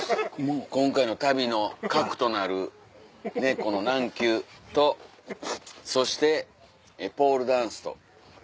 今回の旅の核となるこの軟球とそしてポールダンスと。